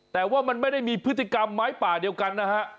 แต่ว่ามันไม่ได้มีพฤติกรรมไม้ป่าเดียวกันนะฮะ